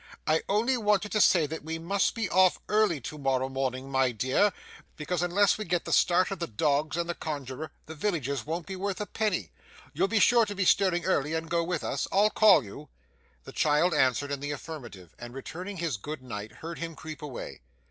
'I only wanted to say that we must be off early to morrow morning, my dear, because unless we get the start of the dogs and the conjuror, the villages won't be worth a penny. You'll be sure to be stirring early and go with us? I'll call you.' The child answered in the affirmative, and returning his 'good night' heard him creep away.